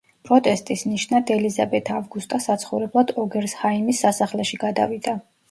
პროტესტის ნიშნად ელიზაბეთ ავგუსტა საცხოვრებლად ოგერსჰაიმის სასახლეში გადავიდა.